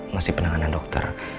masih penanganan dokter